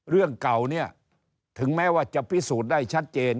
เรื่องเก่าเนี่ยถึงแม้ว่าจะพิสูจน์ได้ชัดเจน